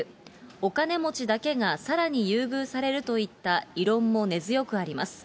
お金持ちだけがさらに優遇されるといった異論も根強くあります。